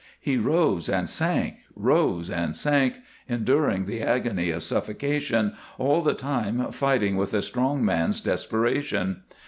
He rose and sank, rose and sank, enduring the agony of suffocation, all the time fighting with a strong man's desperation.